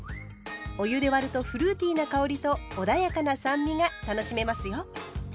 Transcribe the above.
お湯で割るとフルーティーな香りとおだやかな酸味が楽しめますよ。